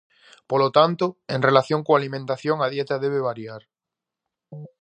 Polo tanto, en relación coa alimentación a dieta debe variar.